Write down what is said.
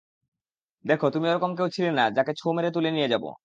দেখো, তুমি ওরকম কেউ ছিলে না যাকে ছোঁ মেরে তুলে নিয়ে যাব!